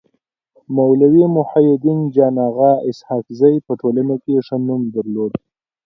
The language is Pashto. مولوي محي الدين جان اغا اسحق زي په ټولنه کي ښه نوم درلود.